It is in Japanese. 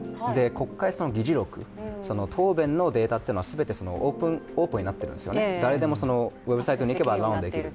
国会議事録、答弁データというのは全てオープンになっていますよね、誰でもウェブサイトにいけばアラウンドできる。